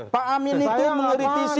pak amin itu mengeritisi